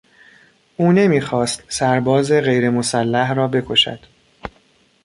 او نمیخواست سرباز غیر مسلح را بکشد.